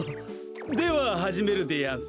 でははじめるでやんす。